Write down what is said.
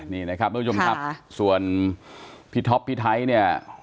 นี่นะครับทุกผู้ชมครับส่วนพี่ท็อปพี่ไทยเนี่ย